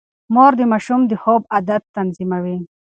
مور د ماشوم د خوب عادت تنظيموي.